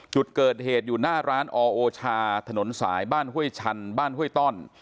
จุดเกิดเหตุอยู่หน้าร้านออโอชาถนนสายบ้านห้วยชันบ้านห้วยต้อน